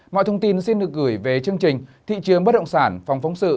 mọi thông tin xin được gửi về chương trình thị trường bất động sản phòng phóng sự